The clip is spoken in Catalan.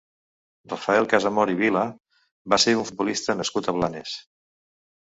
Rafael Casamor i Vila va ser un futbolista nascut a Blanes.